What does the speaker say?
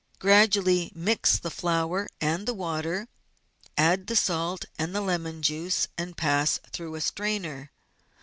Gradually mix the flour and the water; add the salt and the lemon juice, and pass through a strainer.